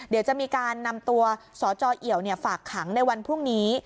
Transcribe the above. เดี๋ยวจะมีการนำตัวสจเอี่ยวฝากขังในวันพรุ่งนี้